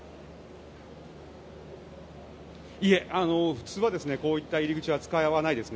いえ、普通はこういった入り口は使わないですね。